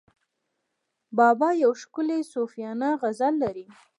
بابا یو ښکلی صوفیانه غزل لري.